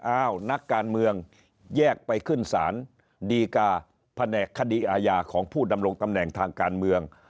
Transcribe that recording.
อ้าวนักการเมืองแยกไปขึ้นศาลดีกาแผนกคดีอาญาของผู้ดำรงตำแหน่งทางการเมือง